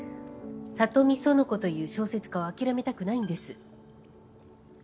里見苑子という小説家を諦めたくないんです。